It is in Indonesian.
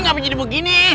ini gak bisa jadi begini